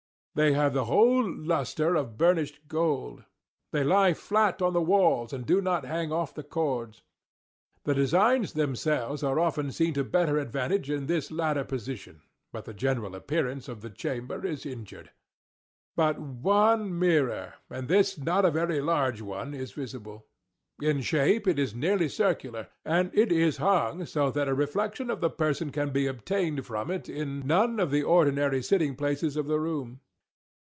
They have the whole lustre of burnished gold. They lie flat on the walls, and do not hang off with cords. The designs themselves are often seen to better advantage in this latter position, but the general appearance of the chamber is injured. But one mirror—and this not a very large one—is visible. In shape it is nearly circular—and it is hung so that a reflection of the person can be obtained from it in none of the ordinary sitting places of the room.